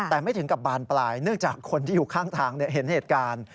แต่ไม่ถึงกับบานปลายเนื่องจากคนที่อยู่ข้างทางเห็นเหตุการณ์